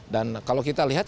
dan kalau kita lihat